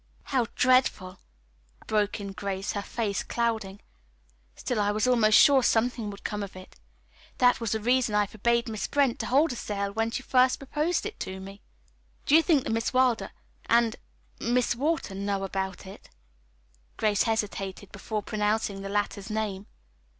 "How dreadful!" broke in Grace, her face clouding. "Still I was almost sure something would come of it. That was the reason I forbade Miss Brent to hold a sale when first she proposed it to me. Do you think that Miss Wilder and Miss Wharton know it?" Grace hesitated before pronouncing the latter's name.